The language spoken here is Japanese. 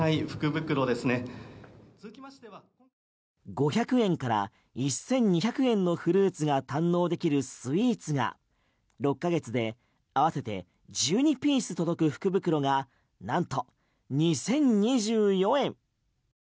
５００円から１２００円のフルーツが堪能できるスイーツが６ヶ月で合わせて１２ピース届く福袋がなんと２０２４円。